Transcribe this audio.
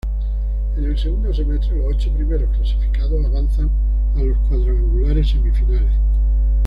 En el segundo semestre, los ocho primeros clasificados avanzan a los cuadrangulares semifinales.